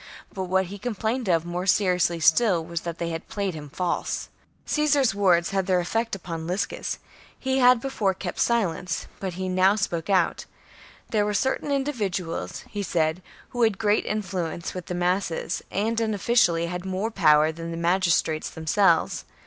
But what he complained of more seriously still was that they had played him false. Liscus, their I J. Cacsar's words had their effect upon trate, lays Liscus \ hc had bcforc kept silence, but he now the blame on ...., Dunmorix. spoke out. There were certam mdividuals, he said, who had great influence with the masses, and unofficially had more power than the magis trates themselves.